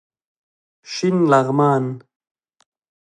شین لغمان